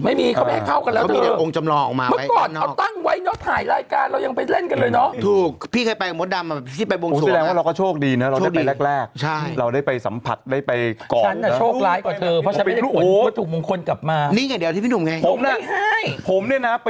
ไม่มีเขาไม่ให้เข้ากันแล้วเมื่อก่อนเอาตั้งไว้เนอะถ่ายรายการเรายังไปเล่นกันเลยเนอะ